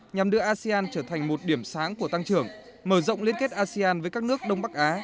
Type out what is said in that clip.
nhằm đưa asean trở thành một điểm sáng của tăng trưởng mở rộng liên kết asean với các nước đông bắc á